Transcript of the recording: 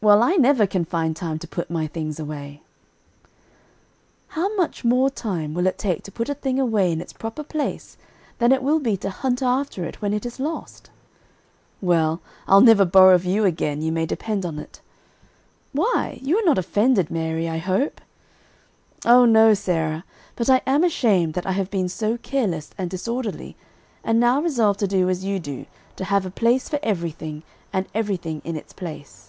"Well, I never can find time to put my things away." "How much more time will it take to put a thing away in its proper place, than it will be to hunt after it, when it is lost?" "Well, I'll never borrow of you again, you may depend on it." "Why? you are not offended, Mary, I hope!" "Oh no, Sarah. But I am ashamed that I have been so careless and disorderly, and now resolve to do as you do, to have a place for everything, and everything in its place."